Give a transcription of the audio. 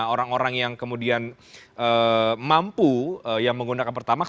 orang orang yang kemudian mampu yang menggunakan pertamax